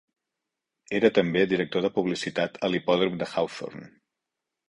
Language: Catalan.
Era també director de publicitat a l'hipòdrom de Hawthorne.